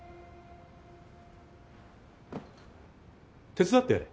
手伝ってやれ。